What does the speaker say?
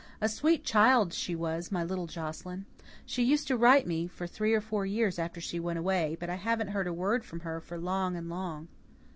A sweet child she was, my little Joscelyn! She used to write me for three or four years after she went away, but I haven't heard a word from her for long and long.